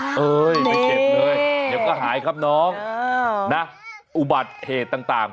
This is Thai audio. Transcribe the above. เอ้ยไม่เจ็บเลยเดี๋ยวก็หายครับน้องนะอุบัติเหตุต่าง